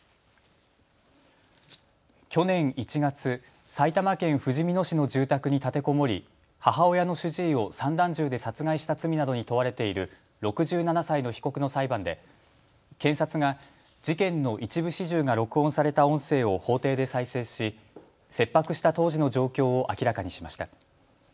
去年１月、埼玉県ふじみ野市の住宅に立てこもり母親の主治医を散弾銃で殺害した罪などに問われている６７歳の被告の裁判で検察が事件の一部始終が録音された音声を法廷で再生し切迫した当時の状況を明らかにしました。